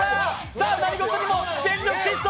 さあ、何事にも全力疾走。